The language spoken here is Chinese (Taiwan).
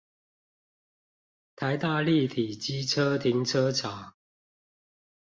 臺大立體機車停車場